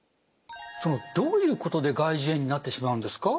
どういうことで外耳炎になってしまうんですか？